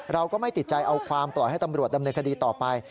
เราก็ไม่ติดใจเอาความปล่อยให้ตำรวจดำเนินคดีต่อไป